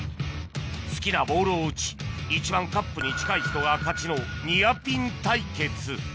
好きなボールを打ち一番カップに近い人が勝ちのニアピン対決